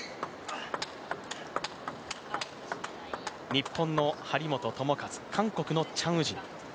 日本の張本智和、韓国のチャン・ウジン。